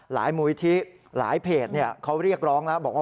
หลายมูลที่หลายเพจเขาเรียกร้องนะ